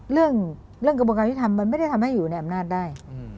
เรื่องกระบวนการยุทธรรมมันไม่ได้ทำให้อยู่ในอำนาจได้